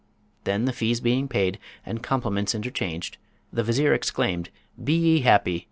Then the fees being paid, and compliments interchanged, the Vizier exclaimed, 'Be ye happy!